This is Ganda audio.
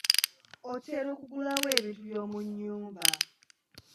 Otera kugula wa ebintu by'omunyumba?